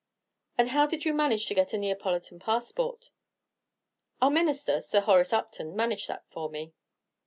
"And how did you manage to get a Neapolitan passport?" "Our Minister, Sir Horace Upton, managed that for me."